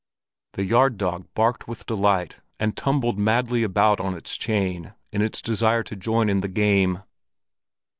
The yard dog barked with delight and tumbled madly about on its chain in its desire to join in the game.